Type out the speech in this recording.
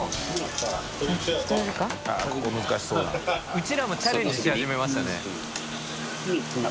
うちらもチャレンジし始めましたね。